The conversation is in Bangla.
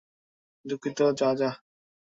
দুঃখিত, যা যা।